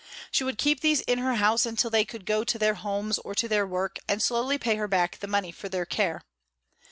She would keep these in her house until they could go to their homes or to their work, and slowly pay her back the money for their care.